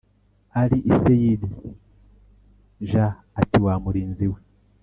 ari i Seyiri j ati wa murinzi we